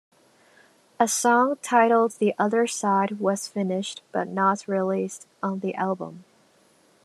A song titled "The Other Side" was finished but not released on the album.